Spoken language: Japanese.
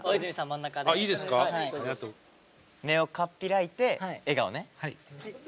目をかっぴらいて笑顔ね。